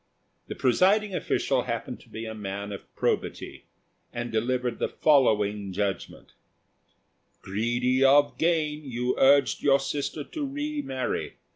The presiding official happened to be a man of probity, and delivered the following judgment: "Greedy of gain you urged your sister to re marry.